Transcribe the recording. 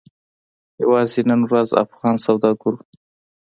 یوازې نن ورځ افغان سوداګرو